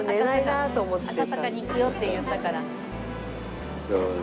「赤坂に行くよ」って言ったから。